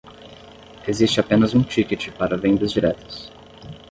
Existe apenas um ticket para vendas diretas